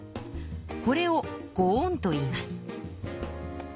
これをご恩といいます。